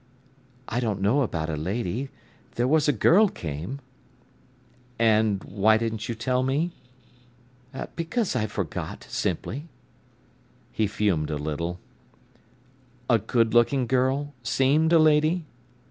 "I don't know about a lady. There was a girl came." "And why didn't you tell me?" "Because I forgot, simply." He fumed a little. "A good looking girl—seemed a lady?"